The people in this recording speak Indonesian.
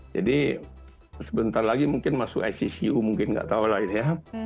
jadi sebentar lagi mungkin masuk iccu mungkin nggak tahu lah ini ya